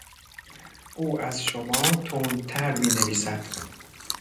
او از شما تندتر مینویسد.